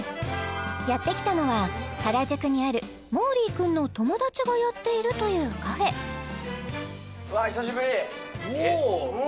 やってきたのは原宿にあるもーりーくんの友達がやっているというカフェおお！